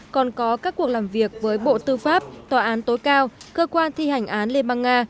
còn có các cuộc làm việc với bộ tư pháp tòa án tối cao cơ quan thi hành án liên bang nga